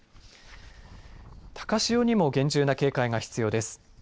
高潮にも厳重な警戒が必要です。